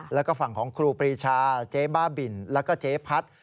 แล้วก็ฝั่งของครูปรีชาเจ๊บ้าบินแล้วก็เจ๊พัด